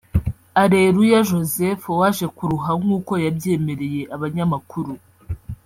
Areruya Joseph waje kuruha nk’uko yabyemereye abanyamakuru